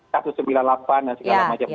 kasus sembilan puluh delapan dan segala macam